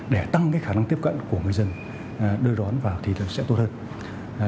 để tăng cái khả năng tiếp cận của người dân đưa đón vào thì sẽ tốt hơn